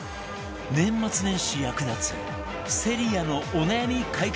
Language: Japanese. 年末年始役立つセリアのお悩み解決グッズ